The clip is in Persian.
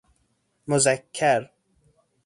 مذکر